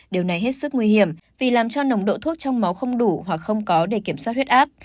điều này hết sức nguy hiểm vì làm cho nồng độ thuốc trong máu không đủ hoặc không có để kiểm soát huyết áp